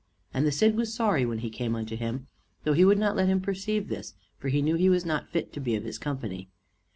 And the Cid was sorry when he came unto him, though he would not let him perceive this; for he knew he was not fit to be of his company.